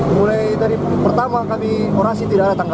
pembeli pembeli dari daerah